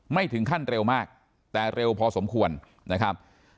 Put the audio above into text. ไม่ถึงขั้นเร็วมากแต่เร็วพอสมควรนะครับ